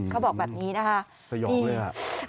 เขาบอกแบบนี้นะฮะ